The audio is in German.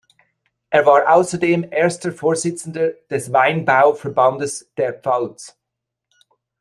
Er war außerdem Erster Vorsitzender des Weinbauverbandes der Pfalz.